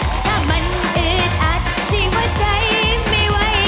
ถ้ามันอึดอัดที่หัวใจไม่ไหว